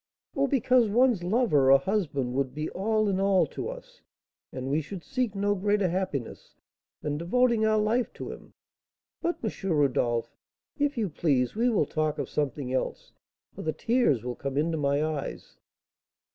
"Oh, because one's lover, or husband, would be all in all to us, and we should seek no greater happiness than devoting our life to him. But, M. Rodolph, if you please, we will talk of something else, for the tears will come into my eyes."